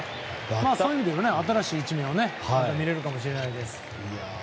そういう意味では新しい一面をまた見られるかもしれません。